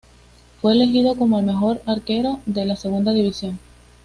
Fue elegido como el mejor arquero de la Segunda División.